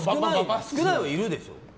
少ないは、いるでしょ。